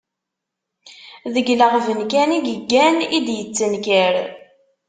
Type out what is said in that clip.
Deg leɣben kan i yeggan, i d-yettenkar.